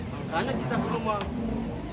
karena kita ke rumah